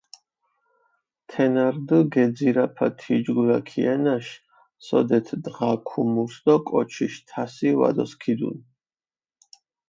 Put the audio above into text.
თენა რდჷ გეძირაფა თიჯგურა ქიანაშ, სოდეთ დღა ქუმურს დო კოჩიშ თასი ვადოსქიდუნ.